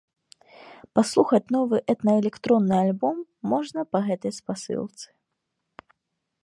Паслухаць новы этна-электронны альбом можна па гэтай спасылцы.